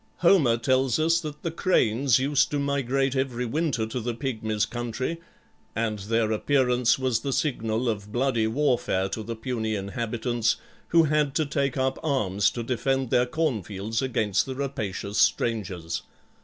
Homer tells us that the cranes used to migrate every winter to the Pygmies' country, and their appearance was the signal of bloody warfare to the puny inhabitants, who had to take up arms to defend their cornfields against the rapacious strangers.